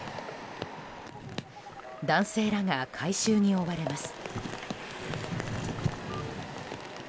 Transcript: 男性らが回収に追われます。